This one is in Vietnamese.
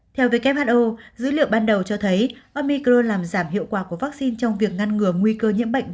theo who dữ liệu ban đầu cho thấy omicron làm giảm hiệu quả của vaccine trong việc ngăn ngừa nguy cơ